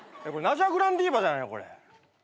ナジャ・グランディーバじゃないのこれ。